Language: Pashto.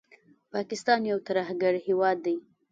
پاکستان یو ترهګر هیواد دي